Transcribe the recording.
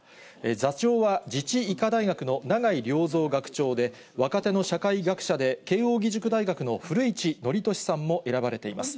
座長は自治医科大学の永井良三学長で、若手の社会学者で、慶応義塾大学の古市憲寿さんも選ばれています。